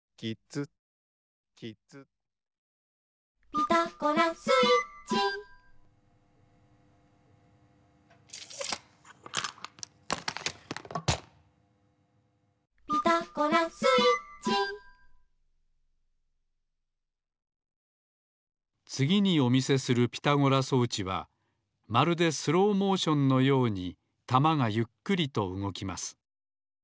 「ピタゴラスイッチ」「ピタゴラスイッチ」つぎにお見せするピタゴラ装置はまるでスローモーションのようにたまがゆっくりとうごきます。